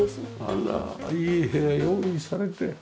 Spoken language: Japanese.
あらいい部屋用意されて。